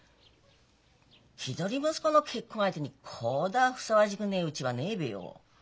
一人息子の結婚相手にこだふさわしくねえうちはねえべよ。